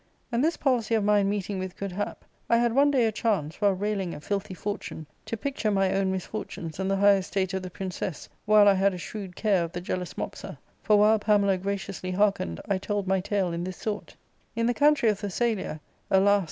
And this policy of mine meeting with good hap, I had one day a chance, while railing at filthy fortune, to picture my own misfortunes and the high estate of the princess, while I had a shrewd care of the jealous Mopsa ; for, while Pamela graciously hearkened, I told my tale in this sort: —" In the country of Thessalia — alas